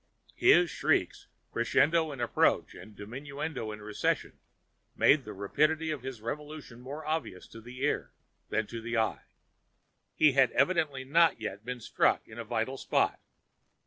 His shrieks, crescendo in approach and diminuendo in recession, made the rapidity of his revolution more obvious to the ear than to the eye. He had evidently not yet been struck in a vital spot.